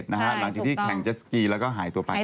หลังจากที่แข่งเจสกีแล้วก็หายตัวไป